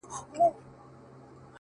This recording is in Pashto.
• زه له بویه د باروتو ترهېدلی ,